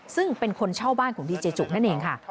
ซึ่งเป็นคนเช่าบ้านของดีเจจุนั่นเองค่ะ